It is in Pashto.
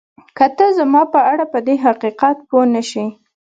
که ته زما په اړه پدې حقیقت پوه نه شې